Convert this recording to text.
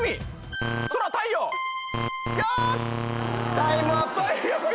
タイムアップ！